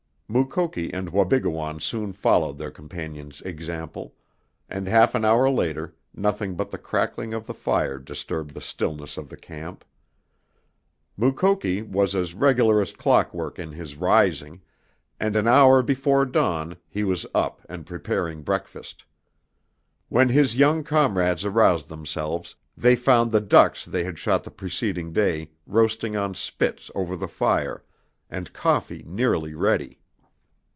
Mukoki and Wabigoon soon followed their companion's example, and half an hour later nothing but the crackling of the fire disturbed the stillness of the camp. Mukoki was as regular as clockwork in his rising, and an hour before dawn he was up and preparing breakfast. When his young comrades aroused themselves they found the ducks they had shot the preceding day roasting on spits over the fire, and coffee nearly ready.